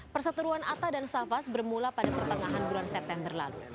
perseteruan atta dan safas bermula pada pertengahan bulan september lalu